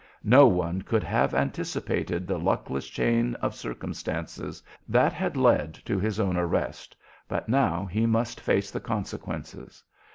No one could have anticipated the luckless chain of circumstances that had led to his own arrest, but now he must face the consequences.